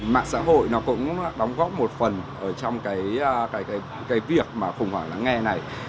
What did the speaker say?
mạng xã hội nó cũng đóng góp một phần trong cái việc mà khủng hoảng lắng nghe này